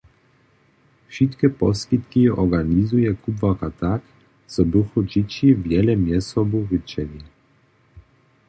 Wšitke poskitki organizuje kubłarka tak, zo bychu dźěći wjele mjez sobu rěčeli.